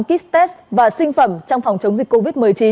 kit test và sinh phẩm trong phòng chống dịch covid một mươi chín